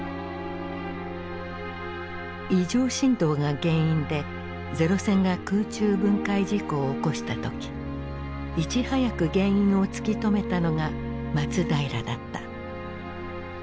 異常振動が原因で零戦が空中分解事故を起こした時いち早く原因を突き止めたのが松平だった。